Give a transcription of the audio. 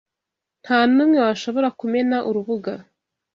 Ntanumwe washobora kumena Urubuga